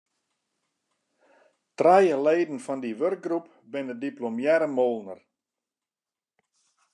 Trije leden fan dy wurkgroep binne diplomearre moolner.